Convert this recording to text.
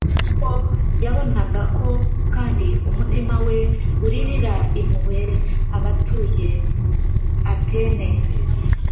kuko yabonaga ko kandi umutima we ugirira impuhwe abatuye Atene